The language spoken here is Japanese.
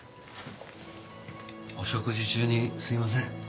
お食事中にすみません。